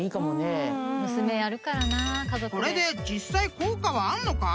［これで実際効果はあんのか？